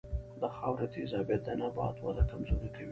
د خاورې تیزابیت د نبات وده کمزورې کوي.